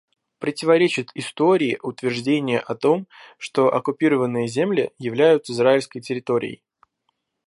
Противоречит истории утверждение о том, что оккупированные земли являются израильской территорией.